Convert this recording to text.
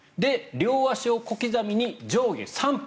両足を小刻みに上下３分。